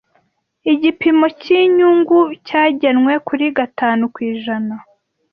Igipimo cyinyungu cyagenwe kuri gatanu ku ijana.